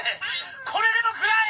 これでも食らえ！